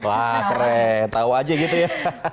wah keren tahu aja gitu ya